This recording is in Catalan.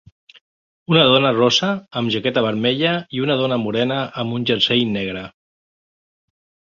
Una dona rossa amb jaqueta vermella i una dona morena amb un jersei negre.